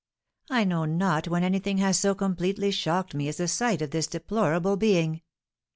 I know not when anything has so completely shocked me as the sight of this deplorable being."